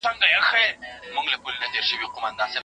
محکمه وه پاچهي د لوی قاضي وه